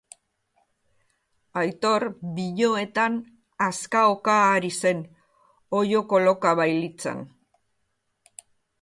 Aitor biloetan hazkaoka ari zen, oilo koloka bailitzan.